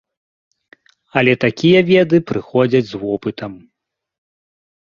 Але такія веды прыходзяць з вопытам.